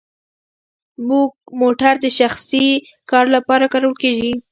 موټر د شخصي کار لپاره کارول کیږي؟